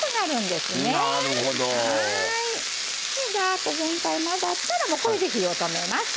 でザーッと全体混ざったらもうこれで火を止めます。